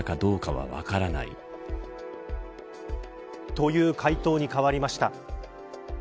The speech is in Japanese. という回答に変わりました。